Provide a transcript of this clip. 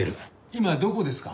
今どこですか？